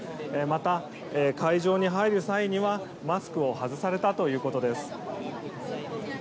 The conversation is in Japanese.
また、会場に入る際にはマスクを外されたということです。